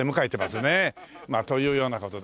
まあというような事でね